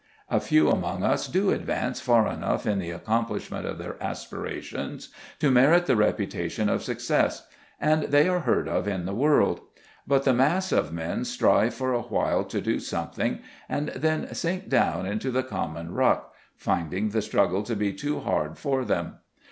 A few among us do advance far enough in the accomplishment of their aspirations to merit the reputation of success, and they are heard of in the world; but the mass of men strive for a while to do something, and then sink down into the common ruck, finding the struggle to be too hard for them.